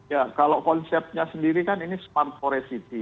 ya kalau konsepnya sendiri kan ini smart forest city